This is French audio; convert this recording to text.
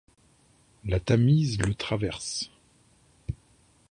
La Tamise le traverse.